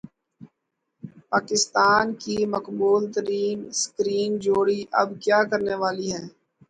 پاکستان کی مقبول ترین اسکرین جوڑی اب کیا کرنے والی ہے